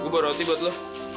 gue bawa roti buat lo